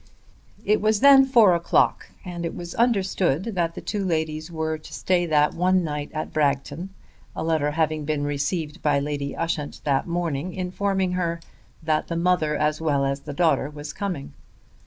It was then four o'clock, and it was understood that the two ladies were to stay that one night at Bragton, a letter having been received by Lady Ushant that morning informing her that the mother as well as the daughter was coming.